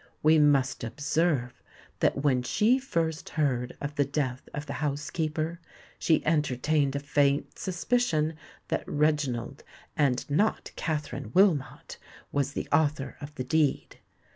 We must observe that when she first heard of the death of the housekeeper, she entertained a faint suspicion that Reginald, and not Katherine Wilmot, was the author of the deed.